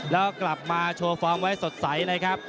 แล้วกลับมาโชว์ฟอร์มไว้สดใสนะครับ